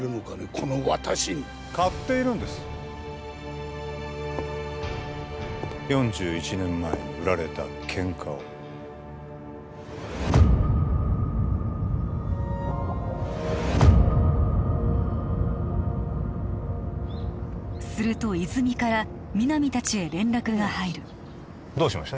この私に買っているんです４１年前に売られた喧嘩をすると泉から皆実達へ連絡が入るどうしました？